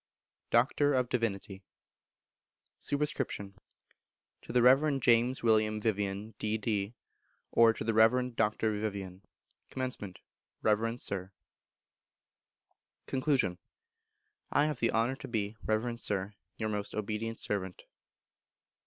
Doctor of Divinity. Sup. To the Reverend James William Vivian, D.D., or, To the Reverend Dr. Vivian. Comm. Reverend Sir. Con. I have the honour to be, Reverend Sir, Your most obedient servant.